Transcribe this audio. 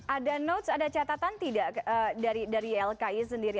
ada notes ada catatan tidak dari ylki sendiri